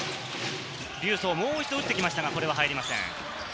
リュウ・ソウ、もう一度打ってきましたが、これは入りません。